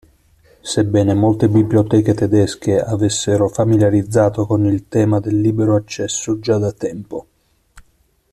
Sebbene molte biblioteche tedesche avessero familiarizzato con il tema del libero accesso già da tempo.